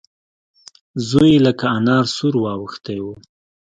زوی يې لکه انار سور واوښتی و.